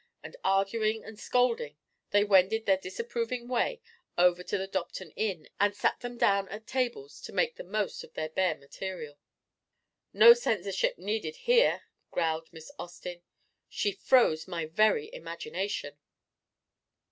And arguing and scolding, they wended their disapproving way over to the Dobton Inn and sat them down at tables to make the most of their bare material. "No censorship needed here," growled Miss Austin. "She froze my very imagination."